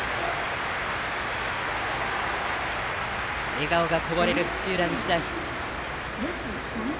笑顔がこぼれる土浦日大。